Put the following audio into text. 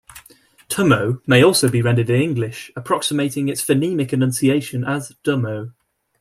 "Tummo" may also be rendered in English approximating its phonemic enunciation as 'Dumo'.